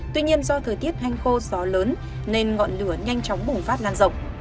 tuy nhiên do thời tiết hanh khô gió lớn nên ngọn lửa nhanh chóng bùng phát lan rộng